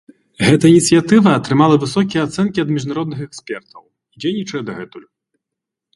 Гэта ініцыятыва атрымала высокія ацэнкі ад міжнародных экспертаў і дзейнічае дагэтуль.